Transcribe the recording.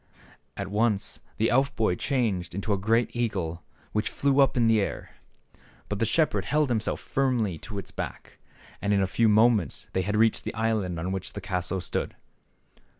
At once the elf boy changed into a great eagle which flew up in the air. But the shepherd held himself firmly on its back, and in a few moments they had reached the island on which the castle stood.